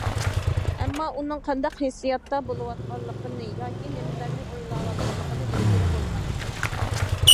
ئەمما ئۇنىڭ قانداق ھېسسىياتتا بولۇۋاتقانلىقىنى ياكى نېمىلەرنى ئويلاۋاتقانلىقىنى بىلگىلى بولمايتتى.